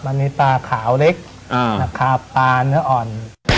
มันมีปลาขาวเล็กราคาปลาเนื้ออ่อน